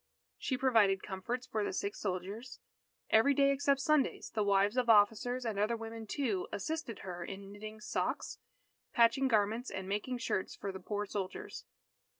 She provided comforts for the sick soldiers. Every day except Sundays, the wives of officers, and other women too, assisted her in knitting socks, patching garments, and making shirts for the poor soldiers.